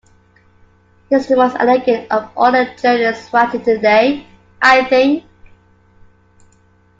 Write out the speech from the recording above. He's the most elegant of all the journalists writing today, I think.